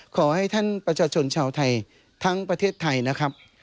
ขอให้ท่านประชาชนชาวไทยทั้งประเทศไทยนะครับ